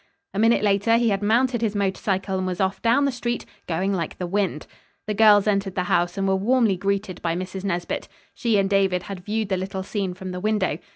A minute later he had mounted his motorcycle and was off down the street, going like the wind. The girls entered the house and were warmly greeted by Mrs. Nesbit. She and David had viewed the little scene from the window.